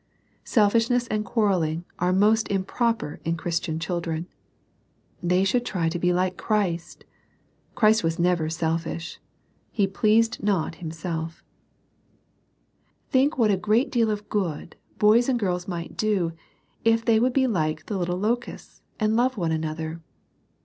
Selfishness and quarrelling are most improper in Christian chil dren. They should try to be like Christ. Christ was never selfish. He pleased not Himself Think what a great deal of good boys and girls might do, if they would be like the little locusts, and love one another.